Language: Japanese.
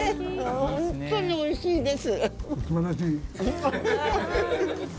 ホントにおいしいです。